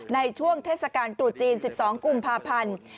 ในช่วงเทศกาลตรุษจีน๑๒กุมภาพันธ์